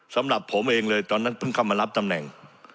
สำหรับผมเองเลยตอนนั้นเพิ่งเข้ามารับตำแหน่ง